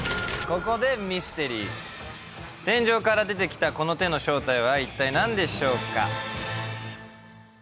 ここでミステリー天井から出てきたこの手の正体は一体何でしょうか？